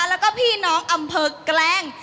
แล้วก็พี่น้องอำเภอแกล้ง